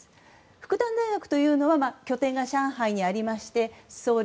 復旦大学というのは拠点が上海にありまして創立